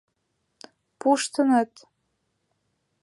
Пуштыныт...